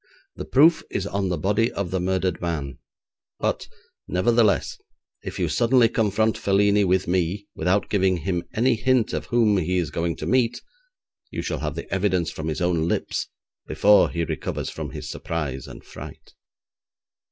'The proof is on the body of the murdered man, but, nevertheless, if you suddenly confront Felini with me without giving him any hint of whom he is going to meet, you shall have the evidence from his own lips before he recovers from his surprise and fright.'